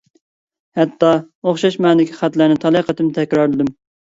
ھەتتا ئوخشاش مەنىدىكى خەتلەرنى تالاي قېتىم تەكرارلىدىم.